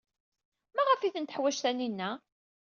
Maɣef ay ten-teḥwaj Taninna?